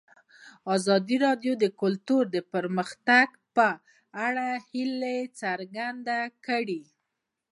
ازادي راډیو د کلتور د پرمختګ په اړه هیله څرګنده کړې.